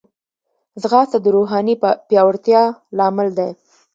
ځغاسته د روحاني پیاوړتیا لامل دی